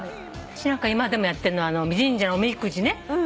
私なんか今でもやってんのは神社のおみくじね。